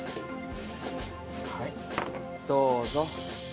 はいどうぞ。